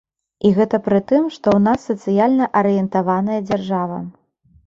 І гэта пры тым, што ў нас сацыяльна арыентаваная дзяржава.